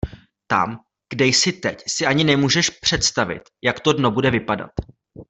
Tam, kde jsi teď, si ani nemůžeš představit, jak to dno bude vypadat.